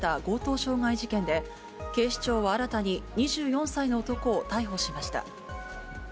傷害事件で、警視庁は新たに２４歳の男を逮捕しました。